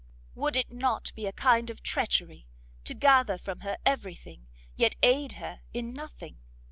Would it not be a kind of treachery to gather from her every thing, yet aid her in nothing?